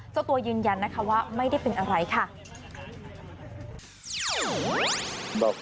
เจ้าตัวยืนยันนะคะว่าไม่ได้เป็นอะไรค่ะ